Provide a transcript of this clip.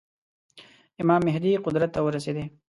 امام مهدي قدرت ته ورسېدی.